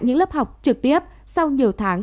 những lớp học trực tiếp sau nhiều tháng